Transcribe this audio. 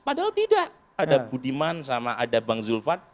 padahal tidak ada budiman sama ada bang zulfat